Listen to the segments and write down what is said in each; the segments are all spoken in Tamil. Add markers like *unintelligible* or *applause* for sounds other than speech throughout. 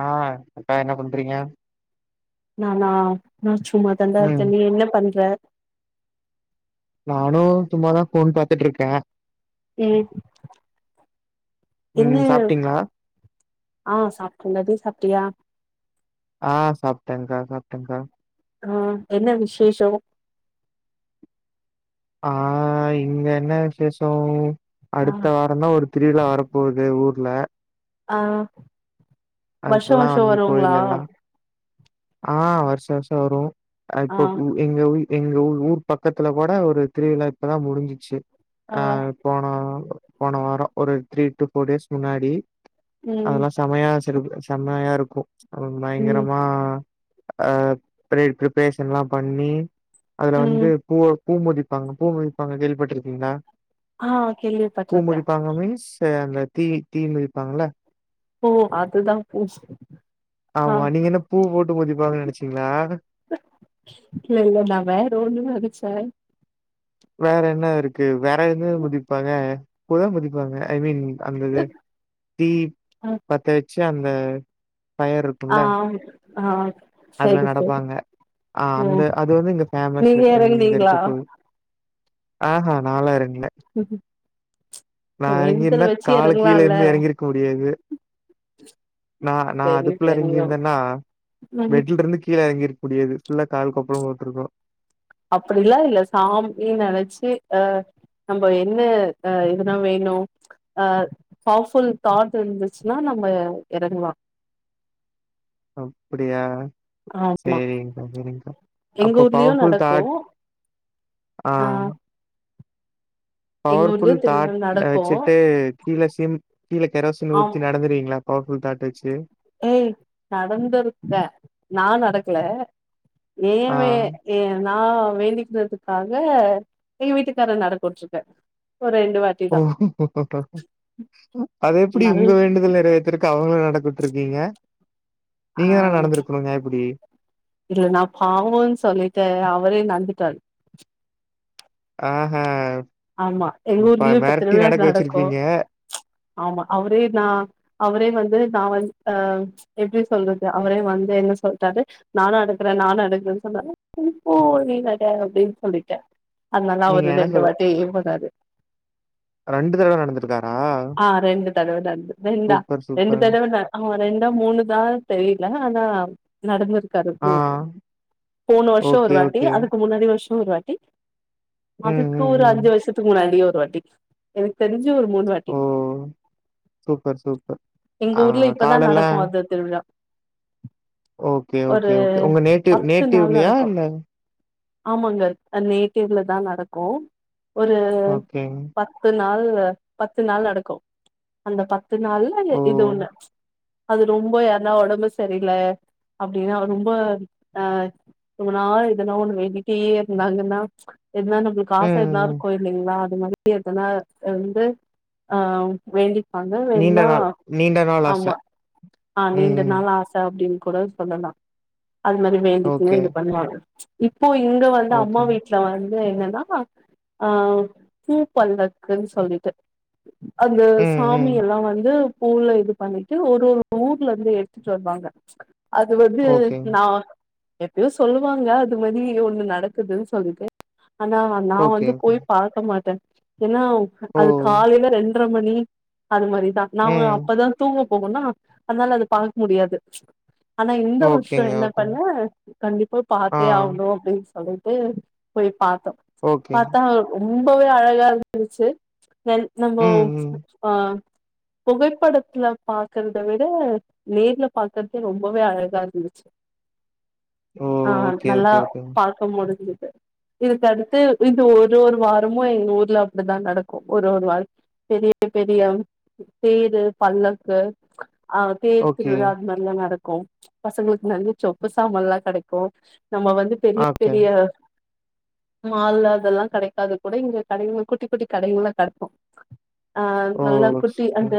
அ அக்கா என்ன பண்றீங்க நானா நா சும் சும்மா தான்டா ம் இருக்க நீ என்ன பண்ற நானு சும்மாதா போன் பாத்துட்டு இருக்கே ம் என்ன ம் சாப்ட்டீங்ளா ஆ சாப்ட்டன்டா நீ சாப்ட்டியா ஆ சாப்டேங்க்கா சாப்டேங்க்கா ஆஹ் என்ன விசேஷம் ஆஹ் இங்க என்ன விசேஷம் ஆ அடுத்த வாரம் தான் ஒரு திருவிழா வரப்பகுது ஊர் இல்ல ஆஹ் வருஷம் வருஷம் வருங்களா ஆஹ் வருஷம் வருஷம் வரும் ஆ அப்போ எங்க எங்க ஊ ஊர் பக்கத்துல கூட ஒரு திருவிழா இப்பதான் முடிஞ்சிச்சு ஆ ஆஹ் போனா போன வாரம் ஒரு த்ரீ டு ஃபோர் டேஸ் முன்னாடி ம் அதெல்லாம் சமய தெருக்குள்ள செம்மையா இருக்கும் ஓ ம் பயங்கரமா அஹ் ஃபிரீ ஃப்ரிபரேஷன் எல்லாம் பண்ணி அதுல வந்து ம் பூ பூ மிதிப்பாங்க பூ மிதிப்பாங்க கேள்விப்பட்டட்டுருக்கீங்களா ஆஹ் கேள்விப்பட்டட்டுருக்கேன் மீன்ஸ் அந்த தீ தீ மெதிப்பாங்க இல்ல ஓ அது தான் பூசு ஆமா நீங்க என்ன பூ போட்டு மிதிப்பாங்கன்னு நினைச்சீங்களா இல்ல இல்ல நா வேற ஒன்னு நெனச்சே வேற என்ன இருக்கு வேற என்ன மிதிப்பாங்க இப்பதா மிதிப்பாங்க ஐ மீன் அந்தது தீ ஆ பத்த சந்த ஃபயர் இருக்கும்ல ஆஹ் அதுலாம் நடப்பாங்க ஆஹ் அந்த ம் அது வந்து இங்க ஃபேமஸ் நீங்க இங்க எறங்குனீங்களா இருக்க கோய ஆஹஹா நாலா இறங்க ல நா வேண்டுதல் இறங்கியிருந்தேன் வச்சு கால கீழே எறங்கலால்ல இருந்து இறங்கிருக்க முடியாது நா நா சரி அதுக்குள்ள சரி ஓ இறங்கியிருந்தேன்னா ம் வெட்டல இருந்து கீழ எறங்கிருக் முடியாது ஃபுல்லா கால் கொப்பளம் போட்டிருக்கோம் அப்படிலா இல்ல சாமி நெனைச்சி அ நம்ம என்ன அ இதுதா வேணு அ பவர் ஃபுல் தாட் இருந்துச்சுன்னா நம்ம எறங்கலா அப்டியா ஆமா செரிங்க்கா செரிங்க்கா எங்க அப்போ ஊர்லயு பவர்ஃபுல் நடக்கு தாட் ஆ ஆஹ் எங்க ஊர்லயு பவர்புல் திருவிழா தாட் நடக்கு வச்சுட்டு கீழ சிம் கீழ கெரோசின் ஆம் ஊத்தி நடந்துருங்களா அப்போ உ தாட்டாச்சு ஏய் நடந்துருக்கே நா நடக்கல ஆ. ஏவே ஏ ஆ வேண்டிக்றதுக்காக எ வீட்டுக்கார நடக்கவுட்ருக்கே ஓ அது எப்டி நல் உங்க வேண்டுதல் நெறவேத்துறக் அவுங்கள நடக்கவிட்றுகிங்க ஆஹ் ச் இல்ல நா பாவோன்னு சொல்லிட்டு அவரே நந்து டார் ஆஹ் ஹ ஆமா எங்க ஊர்லயு இப்ப திருவிழா நடக்கு வச்சிருக்கீங்க. ச் ஆமா அவரே நா அவரே வந்து நா வந் ஆஹ் ச் எப்டி சொல்றது அவரே வந்து என்ன சொல்ட்டாரு நா நடக்குறே நா நடக்குறேன்னு சொன்னாறு சரி போ நீ நட அப்டின்னு சொல்லிட்டே அன்னால்லா நீங்க அவரு ரெண்டுவாட் போறாரு ரெண்டு தடவ நடந்துருக்காரா ஆ *unintelligible* ரெண்டா ரெண்டு தடவ தா அவ ரெண்டா மூணு தா தெரில ஆனா நடந்திருக் கருப்பு ஆ. மட்டோ போன வருஷ்ஷோ ஒரு ஓகே, வாட்டி ஓகே. அதுக்கு முன்னாடி வருஷ் ஒருவாட்டி உம் உம் ஒரு அஞ்சு வருஷதுக்கு மட் *unintelligible* ஒரு வாட்டி எனக்கு தெருஞ் சு ஒரு மூணு வாட்டி ஓ! Super, super. எங்க ஆ ஊர்ல இப்பதா காலெல்லா நடக்கு அந்த திருவிழா ஓகே ஒரு ஓகே ஓகே உங்க நேட்டிவ் பத்து நாள் நேட்டிவ்லயா நடக்கு இல்ல ஆமாங்க நேட்டிவ்ல தா நடக்கு ஒரு ஓகேங்க. பத்து நாள் ரு பத்து நாள் நடக்கோ அந்த பத் பத்து நாள்ள ஓ! இது ஒண்ணு ச் அது ரொம்ப யார்னா ஒடம்பு செரில அப்டின்னா ரொம்ப நாள் எதனா ஒன்னு வேண்டிட்டே இருந்தாங்கனா எதுனா நம்பளுக்கு ம், எதுனார் ம். கோயிலுங்களா அதுமாரி எதனா வந்து ஆ வேண்டி அத நீண்ட வேணா நாள் நீண்ட நாள் ஆச. ஆமா ஆ ம், நீண்ட ம். நாள் ஆச அப்டின்னு கூட சொல்லலா அது மாரி ஓகே, வேண்டிக்கினு இது பண்ணுவாங்க இப்போ இங்க வந்து அம்மா ஓகேங்க. வீட்ல வந் து என்னன்னா ஆ பூ பல்லக்குன் சொல்லிட்டு அந்த ம், ம். சாமியல்லா வந்து பூல இது பண்ணிட்டு ஒரு ஒரு ஊர்லருந்து எடுத்துட்டு வந்தாங்க அது வந்து ஓகேங்க. நா எப்பயோ சொல்லுவாங்க அது மாதி ஒன்னு நடக்குதுன் சொல்லிட்டு ஆனா நா ஓகே, வந்து போய் ஓகேங்க. பாக்க மாட்டே ஏனா ஓ! அது காலைல ரெண் ட்ர மணி அது மாரிதா நாங்க ம். அப்பதா தூங்கப் போனோன்னா அதனால அது பாக்க முடியாது ஆனா இந்த வருஷோ ஓகேங்க, என்ன ஓகேங்க. பண்ணே கண்டிப்பா ஆ, பாத்தே ஆகணு அப்டின் சொல்லிட் டு போய் பாத்தோ ஓகேங்க. பாத்தா ரொம்பவே அழகாருந்துச்சு எல் நம்மோ ம், ம். ஆ புகைப்படத்துல பாக்குறத விட நேர்ல பாக்குறது ரொம்பவே அழகாருந்துச்சு ஓ! ஆ ஓகே, நல்லா ஓகே, ஓகேங்க. பாக்க முடிஞ்சி இருக்காது து இது ஒரு ஒரு வாரமு எங்க ஊர்ல அப்டிதா நடக்கு ஒரு ஒரு வாரத் பெரிய பெரிய தேரு பல்லக்கு ஆ ஓகே. தேர்த்திருவிழா அந்த மாரில்லா நடக் கோ பசங்களுக்கு நல்ல சொப்பு சாமான்லா கெடைக்கு நம்ம வந்து பெரிய ஓகே. பெரிய மால்ல அதெல்லா கெடைக்காது கூட இங்க கடைங்க குட்டி குட்டி கடைங்கள்ல கெடைக்கு ஆ ஓ! நல்லா குட்டி சூப்பர். அந்த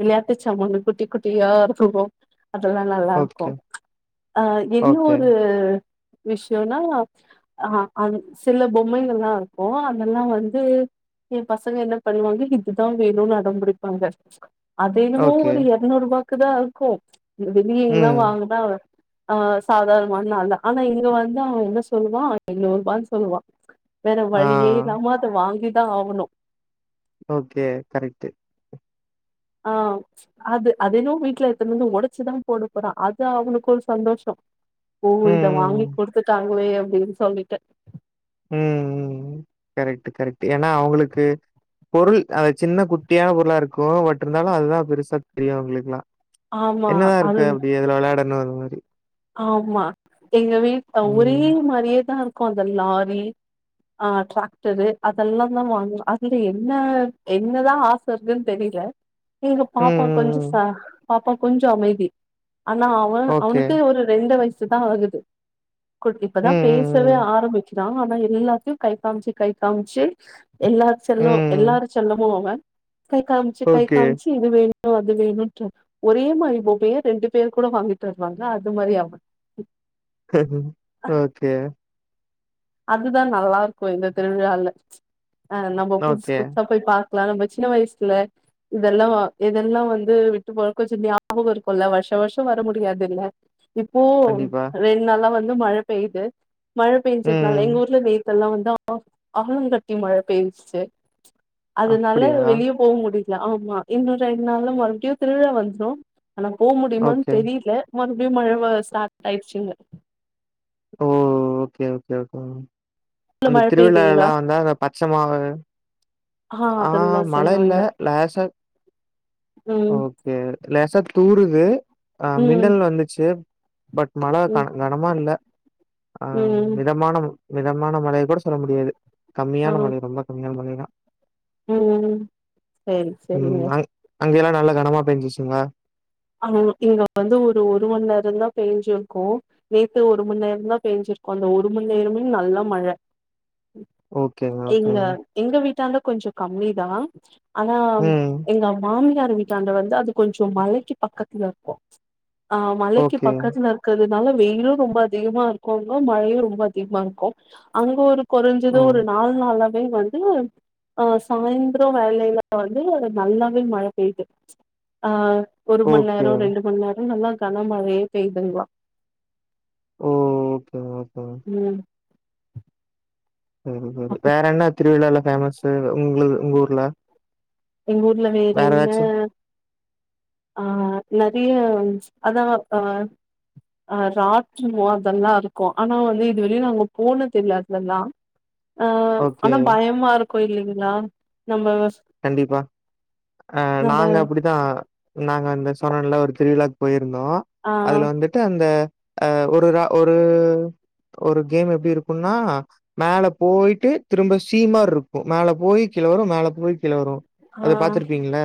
விளையாட்டுச் சாமாங்க குட்டி குட்டியா எடுத்துப்போ அதெல்லா நல்லாருக்கு ஓகே, ஆ என்ன ஓகே, ஒரு விஷ்யோனா ஆ அன் சில பொம்மைகள்லா இருக்கூ அதல்லா வந்து என் பசங்க என்ன பண்ணுவாங்க இதுதா வேணூன்னு அடம்பிடிப்பாங்க அதென்னமோ ஓகே. ஒரு எர்நூறுபாக் *unintelligible* வெளியே எங்கனா ம். வாங்கதா ஆ சாதாரணமான நாள் தான் ஆனா இங்க வந்து அவன் என்ன சொல்லுவான் ஐயோ ப்பான்னு சொல்லுவான் வேற ஆ, வழியே இல்லாம அதை வாங்கி தான் ஆகணும் ஓகே கரெக்ட்டு ஆ அது அது இன்னும் வீட்ல இருக்குதுனு உடைச்சுதான் போட போறான் அது அவனுக்கு ஒரு சந்தோஷம் ஓ ம் இத வாங்கி ம் கொடுத்துட்டாங்களே டேய்லி சொல்லிட்டேன் உம் ம் கரெக்ட்டு கரெக்ட்டு ஏன்னா அவுங்களுக்கு பொருள் அதை சின்ன குட்டியான பொருளா இருக்கும் பட் இருந்தாலும் அதுதான் பெருசா தெரியும் அவுங்களுக்கெல்லாம் ஆமா என்னதா அது இருக்கு அப்டி அதுல வெளயாடணு ஒரு மாரி ஆமா எங்க வீட் அவ் ஒரே ம் மாதிரியேதா க்கு அந்த லாரி ஆஹ் ட்ராக்டரு அதெல்லா தா வாங்குவா அதுல என்ன என்னதா ஆச இருக்குன் தெரிய்ல எங்க ம் பாப்பா ம் கொஞ்சம் ம் ச பாப்பா கொஞ்சம் அமைதி ஆனா அவ ஓகே அவனுக் க்கு ஒரு ரெண்டு வயசு சுத்தா ஆகுது குட் இப்பதா ம் பேசவே ம் ஆரம்பிச்சு ராவான எல்லாத்தையும் கை காமிச்சி கை காமிச்சி எல்லார் ம் செல்ல ம் எல்லாரு செல்லமு அவ கை காமிச்சு கை ஓகே காமிச்சு இது வேணும் அது வேணும்னு சொன்னான் ஒரே மாரி பொம்மையை ரெண்டு பேரு கூட வாங்கிட்டு வருவாங்க அஹ் அது மாரி ஆமா ஓகே அதுதான் நல்லா இருக்கும் இந்த திருவிழால அஹ் நம்ம புதுசு ஓகே புதுசா போய் பாக் க்கலா நம்ம சின்ன வயசுல இதெல்லா இதெல்லா வந்து விட்டு போறக்க செரி ஞாபக இருக்கு இல்ல வருஷ வருஷம் வர முடியாது இல்ல இப்போவு கண்டிப்பா ரெண்டு நாளா வந்- இன்னு மழ பெய்யுது மழ பெஞ்சத் நல்லா ம் எங்க ஊர்ல வெயில் இங்கெல்லா வந்து ஆளுங்கட்டி மழ பெய்ஞ்ச்சுச்சு அததுனால அப்படியா வெளியே போக முடியும் ஆமா இன்னொரு ரெண்டு நால்ல மறுபடியும் திருவிழா வந்துரும் ஆனா போக முடியுமனு ஓகே தெரியல மறுபடியும் மழ வர ஸ்டார்ட் ஆய்டுச்சு இங்க ஓ ஓகே ஓகே ஓகே உள்ள அந்த மழ திருவிழா பெய்யுதுங்களா எல்லாம் வந்தா அந்த பச்சை மாவு ஆ ஆஹ் அதெல்லா மழை இல்ல செய்வாங்க லேசா ம் ஓகே லேசா தூறுது ஆ ம் மின்ன வந்துச்சு பட் மழ க ம் கனமா இல்ல ஆ ம் மிதமான மிதமான மழனு கூட சொல்ல முடியாது ஆ கம்மியான மழை ரொம்ப கம்மியான மழைதான் ம் செரி செரிங்க அங்க எல்லாம் நல்ல கனமா பெஞ்சிச்சுங்க ஆ இங்க வந்து ஒரு ஒரு மணி நேரம தான் பெஞ்சுிருக்கோம் நேத்து ஒரு மணி நேரம்்தான் பெஞ்சிருக்கோ அந்த ஒரு மணி நேரமே நல்ல மழை ஓகேங்க, எங்க ஓகேங்க. எங்க வீட்டாந்த கொஞ்சம் கம்மி தான் ஆனா ம். எங்க மாமியார் வீட்டாண்ட வந்து அது கொஞ்சொ மழைக்கு பக்கத்துல இருக்கோம் ஆ மலைக்கு ஓகே. பக்கத்துல இருக்கது அதனால வெயிலும் ரொம்ப அதிகமா இருக்கும்ங்க மழையும் ரொம்ப அதிகமா இருக்கும் அங்க ஒரு குறைஞ்சதுும் ம். ஒரு நாள் நாள வந்து ஆ சாயந்தரம் வேலையில வந்து நல்லாவே மழை பெய்து ஆ ஒரு மண் ஓகே. நேரோ ரெண்டு மண் நேரோ நல்லா கனமழையே பெய்துங்ளா ஓ! ஓகேங்க, ஓகேங்க. ம் *unintelligible* அப்ப வேற என்ன திருவிழால்ல பேமஸு உங்ளுது உங்க ஊர்ல எங்க ஊர்ல வேற என்ன ஆ நறிய ம் ச்ச் அதா அ அ ராட்னோ அதல்லா இருக்கு ஆனா வந்து இது வரலி நாங்க போனதுல்ல அதுலல்லா அ ஓகே. ஆனா பயமா இருக் கோயிலுங் *unintelligible* நம்ம *unintelligible* கண்டிபா அ நம்ம நாங்க அப்டிதா நாங்க வந்து சொனன்ல ஒரு திருவிழாக்கு போய்ரு போய்ருந்தோம் ஆ அதுல வந்துட்டு அந்த அ ஒருரா ஒரு ஒரு கேம் எப்டி இருக்குன்னா மேல போய்ட்டு திரும்ப சீமாரி ருக்கும் மேல போயி கீல வரும் மேல போயி கீல வரும் ஆ அத பாத்துருப்பீங்கள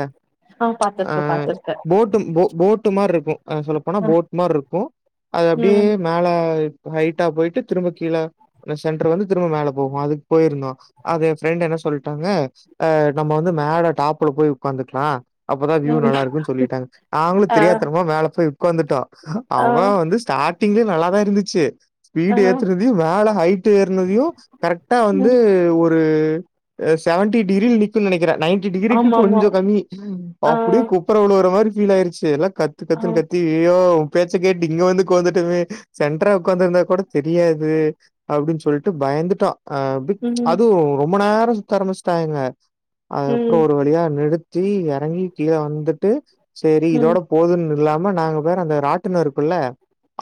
ஆ ப்ச் பாத்துருக்க பாத்துருக்க அ போட்டு போட் *unintelligible* அ சொல்லப்போனா அ போட் மார் ருக்கும் அது அப்டியே ம் மேல ஹைட்டா போய்ட்டு திரும்ப கீழ சென்டர் வந்து திரும்ப மேல போகும் அதுக்கு போய்ருந்தோம் அது என் ஃப்ரெண்ட் என்ன சொல்ட்டாங்க அஹ் நம்ம வந்து மேல டாப்ல போய் உக்காந்துக்லாம் அப்பதான் வியூ ம் நல்லா இருக்கூனு சொல்லிடாங்க நாங்களு ஆ தெரியா தனமா மேல போய் உக்காந்துட்டோ ஆ அவன் வந்து ஸ்டார்ட் ஸ்டாட்டிங்ல நல்லாதான் இருந்துச்சு ஆ ஸ்பீடு ஏத்துறதயும் மேல ஹைட் ஏற்னதையும் கரெக்டா வந்து ம் ஒரு செவன்டி டிகிரில நிக் *unintelligible* நெனக்கிற நைன்டி டிகிரிக்கு ஆமா ஆமா கொஞ்சொம் கம்மி ஆ அப்டியே குப்புரவுளுவுற மாரி *unintelligible* ஆய்ருச்சு எல்லா கத்து ஆ கத்துன்னு கத்தி ய்யோ பேச்ச கேட்டு இங்க வந்து உக்காந்துட்டோமே சென்ட்ரா உக்கார்ந்து இருந்தா கூட தெரியாது அப்டின்னு சொல்ட்டு பயந்துட்டோம் ஆஹ் ம் அது ரொம்ப நேரோம் கத்தாரமிச்சுட்டாங்க அதுக் அப்றோ ம் ஒரு வழியா நிறுத் தி எறங்கி கீழ வந்துட்டு சேரி ம் இதோட போதூன்னு இல்லாம நாங்க வேற அந்த ராட்டுனொம் இருக்கூல்ல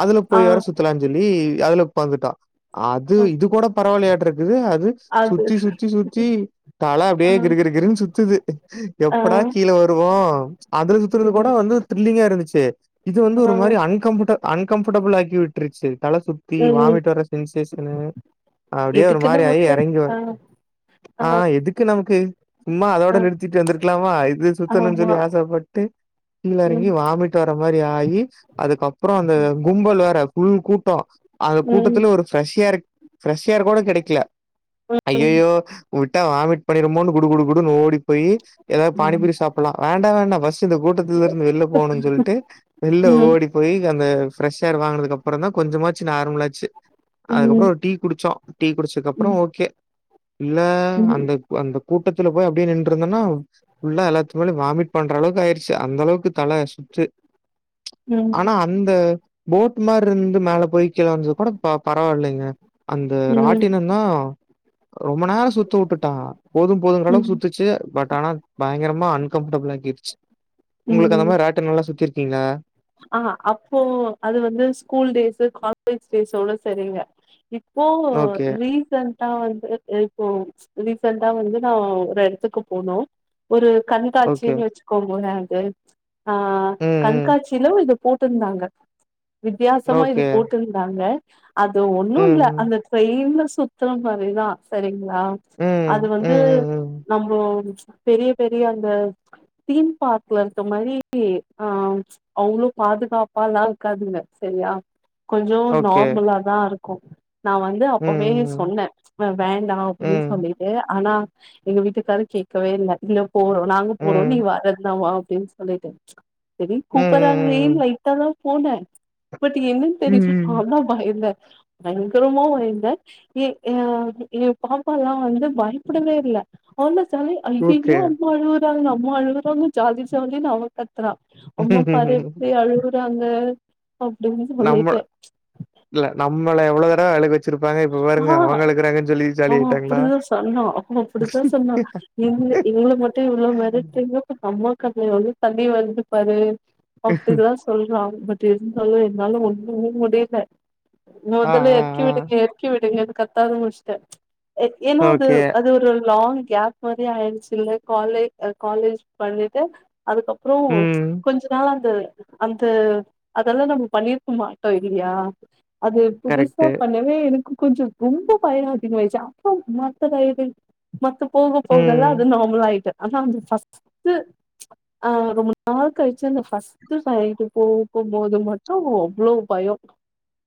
அதுல ஆ போய் வேர சுத்தலாஞ் சொல்லி அதுல உக்காந்துட்டான் அது இது கூட பரவாயில்லயாட் இது அது அது சுத்தி சுத்தி சுத்தி தல அப்டே ஆ கிருகிருகிருன்னு சுத்துது ஆ எப்படா கீழ வருவோ அதுல சுத்துறது கூட ம் வந்து த்ரில்லிங்கா *unintelligible* இருந்துச்சி இது வந்து ஆ ஒரு மாரி அன் கம்பட்டா அன்கம்ஃபர்டபிள் ஆக்கி விட்ருச்சு தல சுத்தி ம் வாமிட் வர்ர சென்சேஷனு அப்டியே ஒரு எதுக்கு மாரி ஆயி நமக்கு எறங்கி ஆ வந் ஆ எதுக்கு இது நமக்கு சும்மா அதோட ஆ நிறுத்திட்டு வந்திருக்லாமா இது சுத்தணுனு ஆமா சொல்லி ஆசப்பட்டு கீழ இறங்கி ம் வாமிட்டு வர மாி ஆயி அதுக்கப்புறோ அந்த கும்பல் வேற ஃபுல் கூட்டோ அந்த ம் கூட்டத்துல ஒரு ஃப்ரெஷ்யா ஃப்ரெஷ் யேர் கூட கெடைக்ல ம் ஐயோயோ உ ட்டா வாமிட் பண்ணிடுமோனு குடு குடு குடுன் ஓடி போய் எதாவ் ஆ பானிபூரி சாப்பில்லா வேண்டா வேண்டா ஃபஸ்ட் இந்த கூட்டத்துல இருந்து வெள்ல போணுன்னு சொல்ட்டு வெள்ல ம் ம் ஓடி போயி அந்த ஃப்ரெஷ் ஏர் வாங்கதுக்கு அப்பறோ தா கொஞ்சமாச்சு நார்மலாச்சு ம் அதுக்கப்பறோ ஒரு டீ குடிச்சோ டீ குடிச்சக்கப்றோ ம் ஓகே இல்ல அந்த இந்த கூட்டத் போய் அப்படியே நின்றுந்தேன்னா ஃபுல்லா எல்லாத்துமேல்யு வாமிட் பண்ற அளவுக்கு ஆயிருச்சு அந்தளவுக்கு தல சுத்து ஆனா ம் அந்த போட் மார் ருந்து மேல போயி கீழ வந்தது கூட ப பரவாயில்லைங்க அந்த ம் ராட்டினந்தா ரொம்ப நேரோ சுத்த உட்டுட்டா போதும் போதுங்றளவுக் ம் சுத்துச்சு பட் ஆனா பயங்கரமா அன்கம்ஃப்டபிள் ஆகிடுச்சு உங்குளுக்கு அந்த மாதிரி ராட்டினோல்லா சுத்திரு லா ஆஹ் அப்போ அது வந்து ஸ்கூல் டேஸ்ஸு காலேஜ் டேஸோட சரிங்க ஓ ஓகே, ரீசண்டா வந்து இப்போ ரிசண்ட் டா வந்து நா ஒரெடத்துக்கு போனோம் ஒரு ஓகே. கண்காட்சின் வச்சுக்கோங்களே *unintelligible* ஆஹ் ம், ம். கண்காட்ச் ஓ இது போட்டுர்ந்தாங்க வித்தியாசமா இது ஓகே. போட்டுந்தாங்க அது ம், ஒன்னுல்ல ம். அந்த ட்ரெயின்லஸ் சுத்ர மாரிதான் சரிங் லா அது ம், வந்து ம், ம், ம். நம்மொ பெரிய பெரிய அந்த தீம் பார்க்ல இருக்க மாரி ஆஹ் அவங்ளு பாதுகாப்பால்லா இருக்காதுங்க செரியா கொஞ்சோ ஓகே. நார்மலாதாருக் கொ நா வந்து ம், அப்பவே ம், சொன்ன வ வேண்டா ம். அப்டின் ம், சொல்லிட்டு ஆனா எங்க வீட்டுக்காரர் கேட்கவே இல்ல ல்லோ போறோ நாங்க போறோ நீ ம். வரத்னா வா ட்ரிங்ஸ் பண்ணிட்டு செரி ம், ம், ம், ம். கூப்பறாங்லேன் லைட்டா போன இப்பத்திக்கு என்னனு தெரில ம் நல்லா பயந்தெ பயங்கரமா வாய்ந்த ஏ ஆஹ் என் பாப்பால்லா வந்து பயப்படவே இல்ல *unintelligible* சாலே ஓகே அய்யய்யோ அம்மானா நம்ம அழுகறோங்க ஜாலி ஜாலினு அவ கத்ரா அம்மா பாரெப்டி அழுரு ராங்க நம்ம இல்ல நம்மல எவ்ளோதா அழுக வெச்சுருப் ஆஹ் அவ ஆயிட்டாங்களா அப்டிதா சன்னா அவ அப்டிதா சொன்னா இங்க எங்ள மட்டு எவ்ளோ மெரட்றிங்க இப்பகம்மா கண்ல எவ்ளோ தண்ணி வருது பாரு அப்டிதா சொல்றாங் பட் இருந்தாலு என்னால ஒண்ணுமே முடியல ஆ மொதல்ல ஆ எற்க்கி ஆ விடுங்க விடுங்க அது கத்தாது *unintelligible* ஏ ஏனா அது ஓகே அது ஒரு லாங் கேப் மாரி ஆயிடுச்சில்ல காலே அ காலேஜ் பண்ணிட்டு அதுக்கப்றோ ம் கொஞ்ச நாள் அந்த அந்த அதெல்லா நம்ம பண்ணிருக்க மாட்டோ இல்லியா அது புதுசா கரெக்ட்டு பண்ணவே இருக் கொஞ்சொ ரொம்ப பயொ அதிகமாயிடுச்சு அப்போவு மத்த வயது மத்த போக ம் போகல்லா அது நார்மலாயிட்டு ஆனா அந்த ஃபஸ்ட்டு அஹ் ரொம்ப நாள் கழிச்சு அந்த ஃபஸ்ட்டு *unintelligible* போம்போது மட்டு அவ்ளோ பயொ